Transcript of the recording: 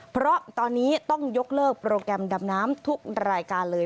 เพราะตอนนี้ต้องยกเลิกโปรแกรมดำน้ำทุกรายการเลย